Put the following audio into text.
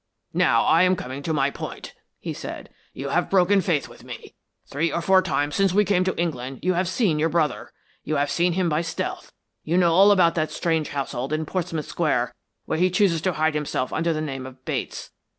"Now I am coming to my point," he said. "You have broken faith with me. Three or four times since we came to England you have seen your brother. You have seen him by stealth; you know all about that strange household in Portsmouth Square where he chooses to hide himself under the name of Bates.